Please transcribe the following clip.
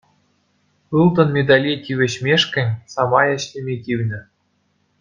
Ылтӑн медале тивӗҫмешкӗн самай ӗҫлеме тивнӗ.